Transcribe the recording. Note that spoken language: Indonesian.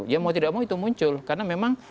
ya mau tidak mau itu muncul karena memang